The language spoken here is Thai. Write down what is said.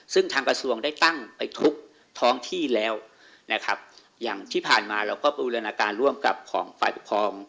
ซึ่งทางกระทรวงได้ตั้งไปทุกท้องที่แล้วนะครับอย่างที่ผ่านมาเราก็บูรณาการร่วมกับของฝ่ายปกครอง